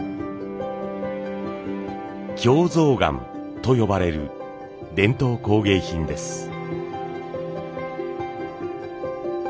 京象嵌と呼ばれる伝統工芸品です。